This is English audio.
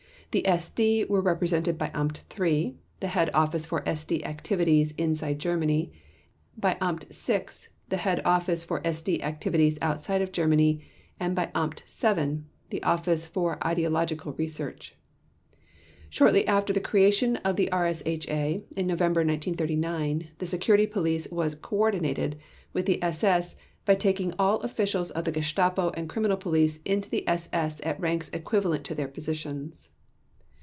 The SD were represented by Amt III, the head office for SD activities inside Germany, by Amt VI, the head office for SD activities outside of Germany and by Amt VII, the office for ideological research. Shortly after the creation of the RSHA, in November 1939, the Security Police was "coordinated" with the SS by taking all officials of the Gestapo and Criminal Police into the SS at ranks equivalent to their positions.